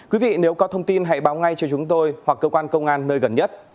quý vị nếu có thông tin hãy báo ngay cho chúng tôi hoặc cơ quan công an nơi gần nhất